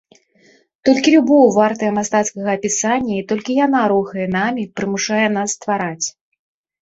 Толькі любоў вартая мастацкага апісання і толькі яна рухае намі, прымушае нас ствараць.